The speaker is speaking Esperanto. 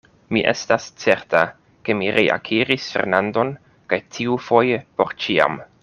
Mi estas certa, ke mi reakiris Fernandon, kaj tiufoje por ĉiam.